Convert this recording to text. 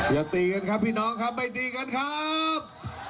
อย่าตีกันครับพี่น้องครับไม่ตีกันครับ